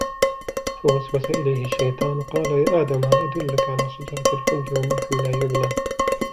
فوسوس إليه الشيطان قال يا آدم هل أدلك على شجرة الخلد وملك لا يبلى